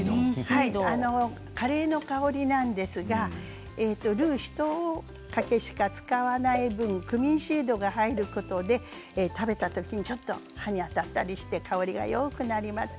カレーの香りなんですがルーを１かけしか使わない分クミンシードが入ることで食べた時にちょっと歯に当たったりして香りがよくなります。